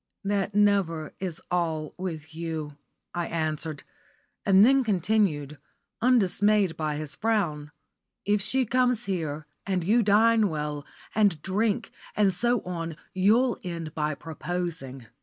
"That never is all with you," I answered, and then continued, undismayed by his frown. "If she comes here, and you dine well, and drink, and so on, you'll end by proposing.